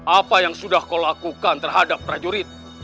apa yang sudah kau lakukan terhadap prajurit